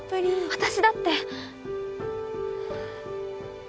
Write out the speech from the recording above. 私だって。